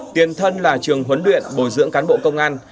tiền thân là trường huấn luyện bồi dưỡng cán bộ công an